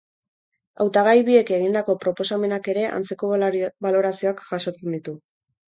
Hautagai biek egindako proposamenak ere antzeko balorazioak jasotzen ditu.